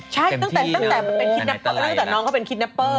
ใช่ตั้งแต่น้องเขาเป็นคิตแนปเปอร์